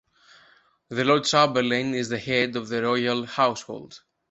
The Lord Chamberlain is the Head of the Royal Household.